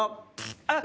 あっ！